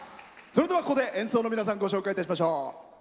それではここで演奏の皆さんご紹介いたしましょう。